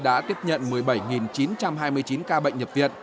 đã tiếp nhận một mươi bảy chín trăm hai mươi chín ca bệnh nhập viện